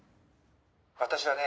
「私はね